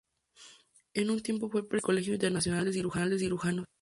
En un tiempo fue el presidente del Colegio Internacional de Cirujanos.